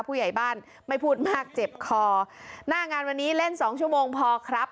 ผู้ใหญ่บ้านไม่พูดมากเจ็บคอหน้างานวันนี้เล่นสองชั่วโมงพอครับ